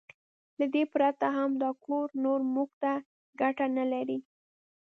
له دې پرته هم دا کور نور موږ ته ګټه نه لري.